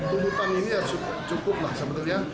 tuntutan ini ya cukup lah sebenarnya